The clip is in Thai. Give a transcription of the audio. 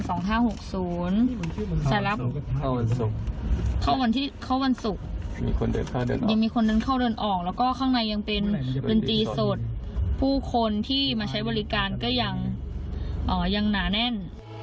สายลับเข้าวันที่เข้าวันศุกร์ยังมีคนเข้าเดินออกและข้างในยังเป็นดนตรีสดผู้คนที่มาใช้บริการก็ยังหนาแน่น